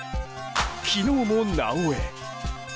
昨日も「なおエ」。